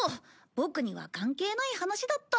ボクには関係ない話だった。